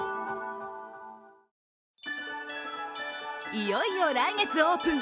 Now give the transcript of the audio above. いよいよ来月オープン。